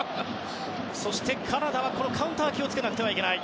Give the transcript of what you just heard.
そしてカナダのカウンターに気を付けなければいけない。